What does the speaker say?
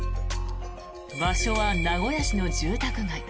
場所は名古屋市の住宅街。